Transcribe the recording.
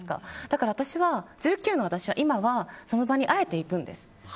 だから私は今はその場にあえて行くんです。